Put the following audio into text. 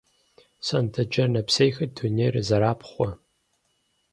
Сондэджэр нэпсейхэм дунейр зэрапхъуэ.